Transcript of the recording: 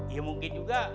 ya mungkin juga